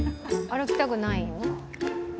歩きたくないの？